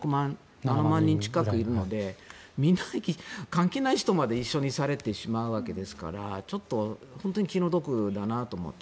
７万人近くいるので関係ない人まで一緒にされてしまうわけですから本当に気の毒だなと思って。